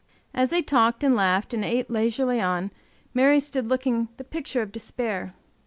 As they talked and laughed and ate leisurely on, Mary stood looking the picture of despair.